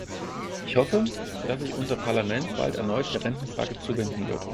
Ich hoffe, dass sich unser Parlament bald erneut der Rentenfrage zuwenden wird.